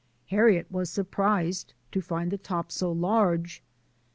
Harriet was surprised to find the top so large.